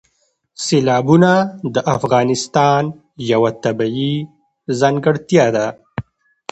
سیلابونه د افغانستان یوه طبیعي ځانګړتیا ده.